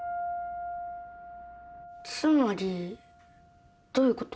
つまりどういうこと？